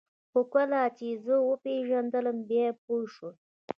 خو کله یې چې زه وپېژندلم بیا پوه شول